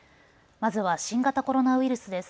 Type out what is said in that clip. まずは新型コロナウイルスです。